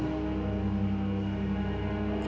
kamu juga nggak tahu